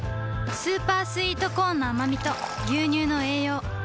スーパースイートコーンのあまみと牛乳の栄養